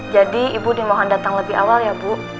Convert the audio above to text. jadi ibu dimohon datang lebih awal ya bu